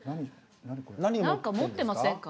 何か持ってませんか？